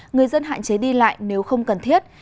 người dân hạn chế đi lại nếu không cần thiết